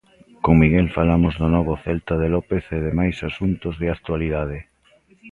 Con Miguel falamos do novo Celta de López e de máis asuntos de actualidade.